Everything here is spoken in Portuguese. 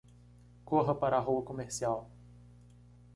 Corra para a rua comercial